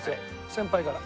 先輩から。